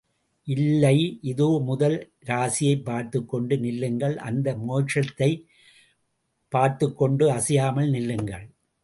இல்லை, இதோ முதல் இராசியைப் பார்த்துக்கொண்டு நில்லுங்கள், அந்த மேஷத்தையே பார்த்துக் கொண்டு அசையாமல் நில்லுங்கள்.